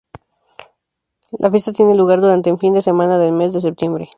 La fiesta tiene lugar durante un fin de semana del mes de septiembre.